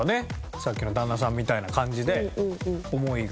さっきの旦那さんみたいな感じで思いが。